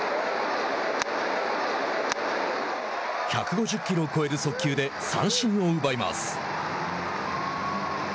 １５０キロを超える速球で三振を奪います。